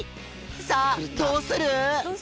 さあどうする！？